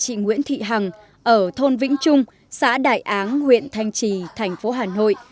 chị nguyễn thị hằng ở thôn vĩnh trung xã đại áng huyện thanh trì thành phố hà nội